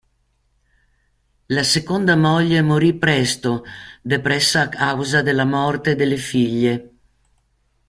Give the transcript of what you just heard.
La seconda moglie morì presto, depressa a causa della morte delle figlie.